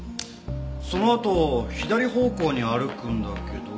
そのあと左方向に歩くんだけど。